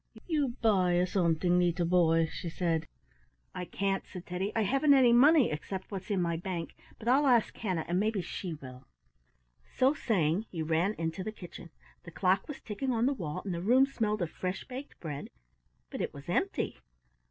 "You buy something, leetle boy?" she said. "I can't," said Teddy. "I haven't any money except what's in my bank, but I'll ask Hannah and maybe she will." So saying he ran into the kitchen. The clock was ticking on the wall, and the room smelled of fresh baked bread, but it was empty.